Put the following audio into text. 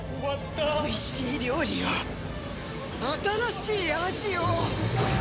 おいしい料理を新しい味を！